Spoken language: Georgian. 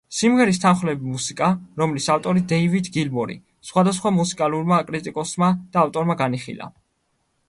სიმღერის თანმხლები მუსიკა, რომლის ავტორი დეივიდ გილმორი, სხვადასხვა მუსიკალურმა კრიტიკოსმა და ავტორმა განიხილა.